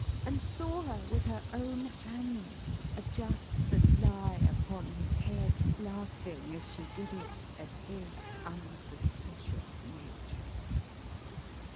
and saw her, with her own hands, adjust the Lie upon his head, laughing, as she did it, at his unsuspicious nature!